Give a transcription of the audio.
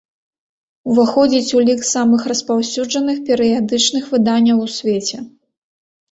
Уваходзіць у лік самых распаўсюджаных перыядычных выданняў у свеце.